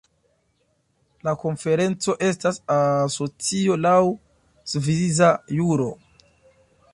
La konferenco estas asocio laŭ svisa juro.